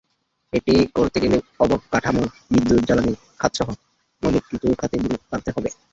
এটি করতে গেলে অবকাঠামো, বিদ্যুৎ-জ্বালানি খাতসহ মৌলিক কিছু খাতে বিনিয়োগ বাড়াতে হবে।